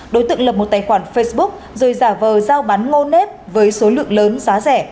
đối tượng lập một tài khoản facebook rồi giả vờ giao bán ngô nếp với số lượng lớn giá rẻ